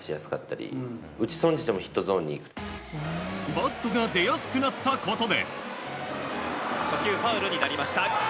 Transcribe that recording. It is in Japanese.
バットが出やすくなったことで。